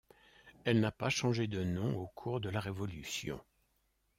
Elle n’a pas changé de nom au cours de la Révolution.